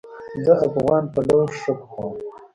زه افغان پلو ښه پخوم